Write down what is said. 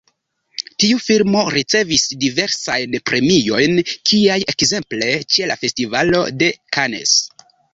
Tiu filmo ricevis diversajn premiojn kiaj ekzemple ĉe la Festivalo de Cannes.